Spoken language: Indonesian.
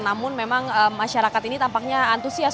namun memang masyarakat ini tampaknya antusias